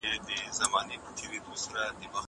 زه پرون سپينکۍ پرېولم وم!